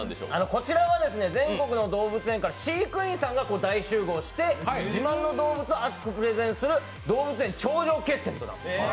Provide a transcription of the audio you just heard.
こちらは全国の動物園から飼育員さんが大集合して自慢の動物を熱くプレゼンする動物園頂上決戦です。